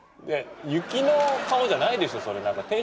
雪の顔じゃないでしょそれなんか。